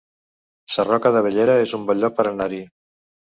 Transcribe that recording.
Sarroca de Bellera es un bon lloc per anar-hi